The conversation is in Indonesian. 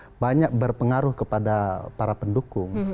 karena banyak berpengaruh kepada para pendukung